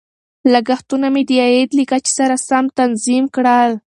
لګښتونه مې د عاید له کچې سره سم تنظیم کړل.